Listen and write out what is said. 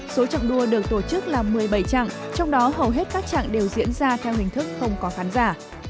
số chặng đua được tổ chức là một mươi bảy chặng trong đó hầu hết các chặng đều diễn ra theo hình thức không có khán giả